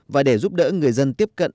và để giúp đỡ người dân tiếp cận